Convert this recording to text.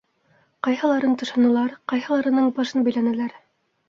Ҡайһыларын тышанылар, ҡайһыларының башын бәйләнеләр.